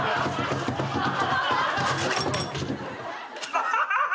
ハハハハ。